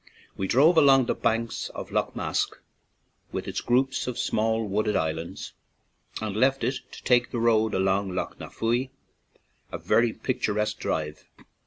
We drove along the banks of Lough Mask, with its groups of small, wooded islands, and left it to take the road along Lough Nafooey, a very picturesque drive.